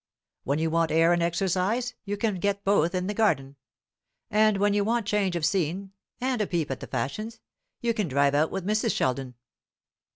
When you want air and exercise, you can get both in the garden; and when you want change of scene, and a peep at the fashions, you can drive out with Mrs. Sheldon."